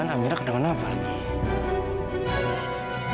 aku harus bisa lepas dari sini sebelum orang itu datang